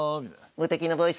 「無敵のボイス」